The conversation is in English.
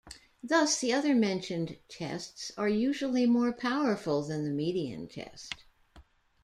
Thus the other mentioned tests are usually more powerful than the median test.